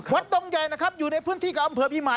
ดงใหญ่นะครับอยู่ในพื้นที่กับอำเภอพิมาย